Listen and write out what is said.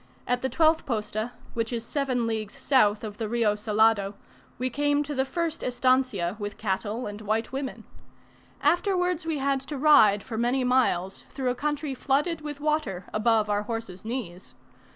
At the twelfth posta, which is seven leagues south of the Rio Salado, we came to the first estancia with cattle and white women. Afterwards we had to ride for many miles through a country flooded with water above our horses' knees.